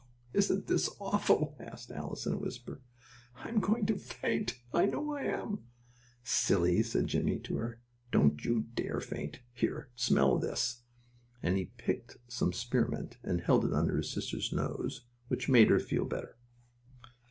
"Oh, isn't this awful?" asked Alice in a whisper. "I am going to faint! I know I am!" "Silly!" said Jimmie to her. "Don't you dare faint! Here, smell of this," and he picked some spearmint, and held it under his sister's nose, which made her feel better.